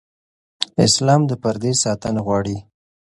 اسلام د پردې ساتنه غواړي.